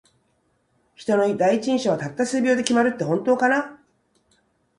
人の第一印象は、たった数秒で決まるって本当かな。